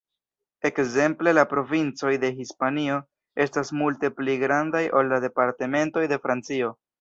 Ekzemple la provincoj de Hispanio estas multe pli grandaj ol la departementoj de Francio.